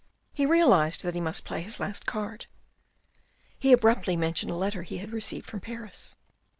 He realised that he must play his last card. He abruptly mentioned a letter he had just received from Paris.